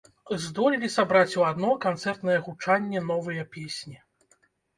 Здолелі сабраць у адно канцэртнае гучанне новыя песні.